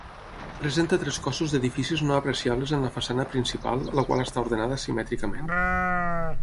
Presenta tres cossos d'edificis no apreciables en la façana principal la qual està ordenada simètricament.